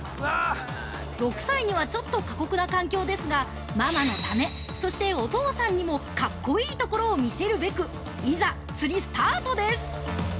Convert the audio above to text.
６歳にはちょっと過酷な環境ですがママのため、そしてお父さんにもかっこいいところを見せるべく、いざ釣りスタートです。